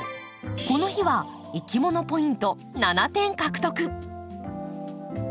この日はいきものポイント７点獲得。